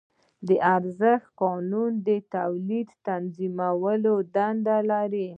د ارزښت قانون د تولید تنظیمولو دنده لري